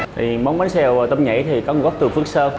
thì món bánh xèo tôm nhảy thì có nguồn gốc từ phước sơn